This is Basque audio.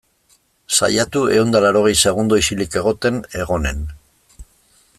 Saiatu ehun eta laurogei segundo isilik egoten, egonean.